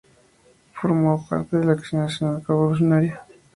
Formó parte de la Acción Nacional Revolucionaria.